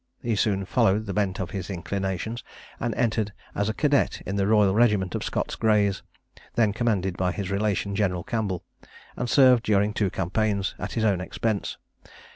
He soon followed the bent of his inclinations, and entered as a cadet in the royal regiment of Scots Greys, then commanded by his relation, General Campbell, and served during two campaigns, at his own expense.